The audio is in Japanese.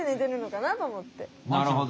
なるほど。